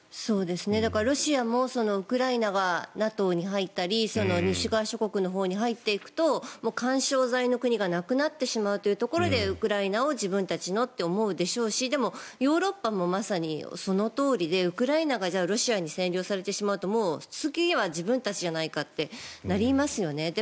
だからロシアもウクライナがＮＡＴＯに入ったり西側諸国のほうに入っていくと緩衝材の国がなくなってしまうというところでウクライナを自分たちのって思うでしょうしでも、ヨーロッパもまさにそのとおりでウクライナがロシアに占領されてしまうと次は自分たちじゃないかってなりますよね。